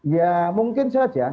ya mungkin saja